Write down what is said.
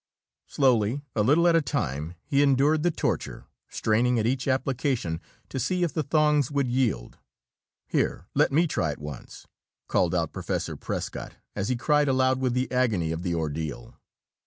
Slowly, a little at a time, he endured the torture, straining at each application to see if the thongs would yield. "Here, let me try it once!" called out Professor Prescott, as he cried aloud with the agony of the ordeal.